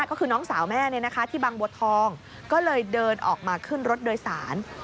ก็คือน้องสาวแม่ที่บางบัวทองก็เลยเดินออกมาขึ้นรถโดยสาร